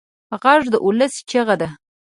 غږ د ولس چیغه ده